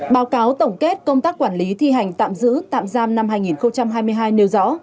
báo cáo tổng kết công tác quản lý thi hành tạm giữ tạm giam năm hai nghìn hai mươi hai nêu rõ